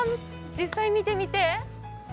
実際見てみて。